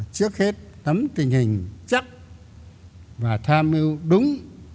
trước hết tắm tình hình chắc và tham mưu đúng